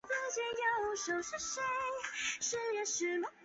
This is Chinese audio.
教育家。